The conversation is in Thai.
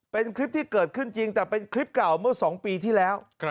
เป็นคลิปที่เกิดขึ้นจริงแต่เป็นคลิปเก่าเมื่อ๒ปีที่แล้ว